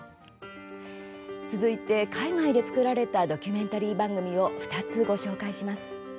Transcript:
続いて、海外で作られたドキュメンタリー番組を２つご紹介します。